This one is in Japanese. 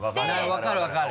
分かる分かる。